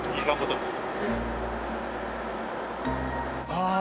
ああ！